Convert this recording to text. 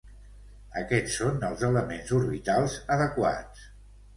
Aquests són els elements orbitals adequats.